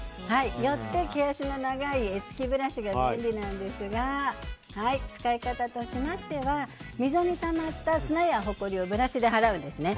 よって毛足の長い柄付きブラシが便利なんですが使い方としましては溝にたまった砂やほこりをブラシで払うんですね。